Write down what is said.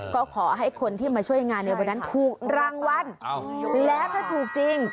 ก็ขอให้คนที่มาช่วยงานในวันนั้นถูกรางวัลแล้วถ้าถูกจริง